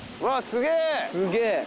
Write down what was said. すげえ。